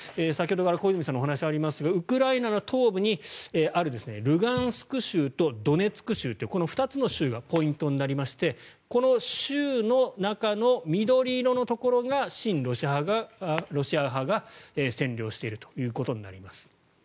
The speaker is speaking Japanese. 先ほどから小泉さんのお話にありますがウクライナの東部にあるルガンスク州とドネツク州この２つの州がポイントになりましてこの州の中の緑色のところが親ロシア派が占領しているということになります。